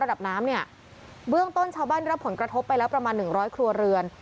ระดับน้ำเนี่ยเบื้องต้นชาวบ้านรับผลกระทบไปแล้วประมาณหนึ่งร้อยครัวเรือน